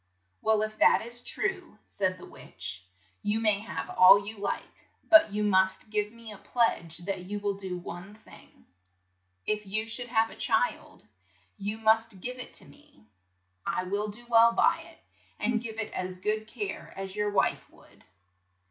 "Well, if that is true," said the witch, "you may have all you like, but you must give me a pledge that you will do one thing. If you should have a child, you must give it to me. I will do well by it, and give it as good care as your wife would.